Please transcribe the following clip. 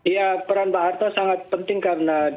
ya peran pak harto sangat penting karena